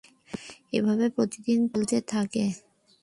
এভাবে প্রতিদিন চলতে থাকে।